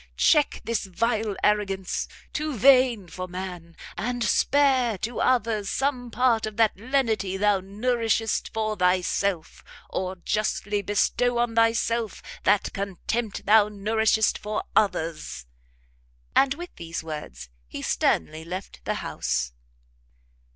check this vile arrogance, too vain for man, and spare to others some part of that lenity thou nourishest for thyself, or justly bestow on thyself that contempt thou nourishest for others!" And with these words he sternly left the house.